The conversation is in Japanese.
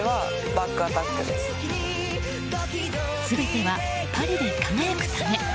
全ては、パリで輝くため。